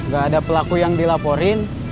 gak ada pelaku yang dilaporin